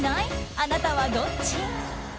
あなたはどっち？